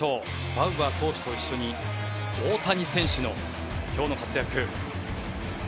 バウアー投手と一緒に大谷選手の今日の活躍。